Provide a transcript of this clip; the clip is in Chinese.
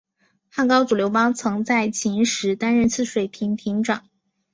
汉高祖刘邦曾在秦时担任泗水亭亭长。